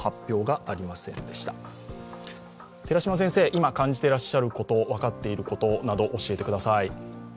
今、感じてらっしゃること、分かってることなど教えてください。